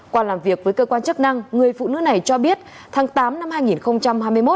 qua làm việc với cơ quan chức năng người phụ nữ này cho biết tháng tám năm hai nghìn hai mươi một